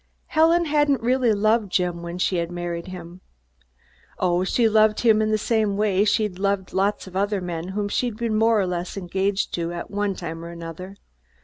Helen hadn't really loved Jim when she married him. Oh, she'd loved him in the same way she'd loved a lot of other men whom she'd been more or less engaged to at one time or another.